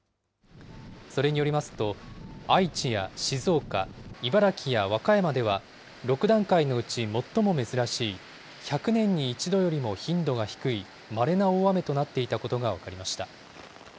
それによりますと、愛知や静岡、茨城や和歌山では６段階のうち最も珍しい、１００年に１度よりも頻度が低いまれな大雨となっていたことが分かりました。